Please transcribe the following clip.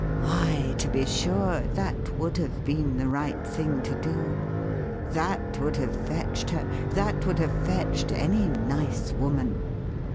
Why, to be sure, that would have been the right thing to do! That would have fetched her — that would have fetched any nice woman.